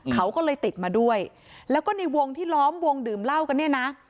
เขาก็เลยติดมาด้วยแล้วก็ในวงที่ล้อมวงดื่มเหล้ากันเนี่ยนะ